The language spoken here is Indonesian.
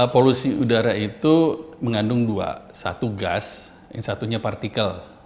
polusi udara itu mengandung dua satu gas yang satunya partikel